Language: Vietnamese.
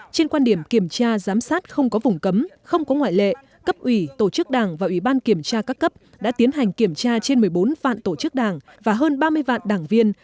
trên quan điểm kiểm tra giám sát không có vùng cấm không có ngoại lệ cấp ủy tổ chức đảng và ủy ban kiểm tra các cấp đã tiến hành kiểm tra trên một mươi bốn vạn tổ chức đảng và hơn ba mươi vạn đảng viên